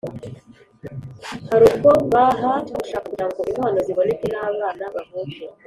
hari ubwo bahatwa gushaka kugirango inkwano ziboneke, n’abana bavuke,